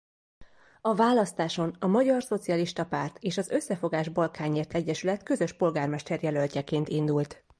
A választáson a Magyar Szocialista Párt és az Összefogás Balkányért Egyesület közös polgármesterjelöltjeként indult.